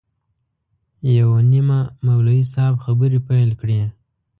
یو نیمه مولوي صاحب خبرې پیل کړې.